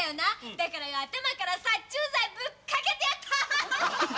だからよ頭から殺虫剤ぶっかけてやった！